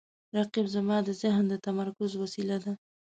رقیب زما د ذهن د تمرکز وسیله ده